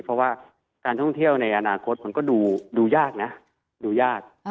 เพราะว่าการท่องเที่ยวในอนาคตมันก็ดูยากนะดูยาก